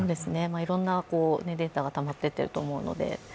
いろんなデータがたまっていっていると思うので。